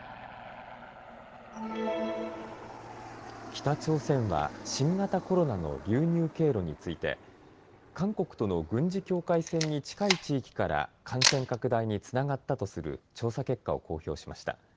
北朝鮮は新型コロナの流入経路について、韓国との軍事境界線に近い地域から感染拡大につながったとする調査結果を公表しました。